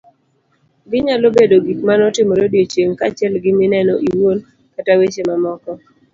Ginyalo bedo gik manotimore odiochieng' , kaachiel gi mineno iwuon kata weche mamoko